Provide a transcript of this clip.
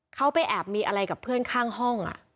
เขาไปแอบมีอะไรกับเพื่อนข้างห้อง